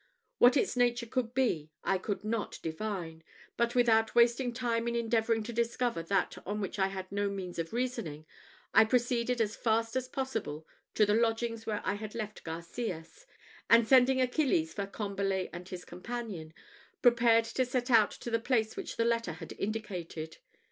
What its nature could be I could not divine; but without wasting time in endeavouring to discover that on which I had no means of reasoning, I proceeded as fast as possible to the lodgings where I had left Garcias; and, sending Achilles for Combalet and his companion, prepared to set out to the place which the letter had indicated.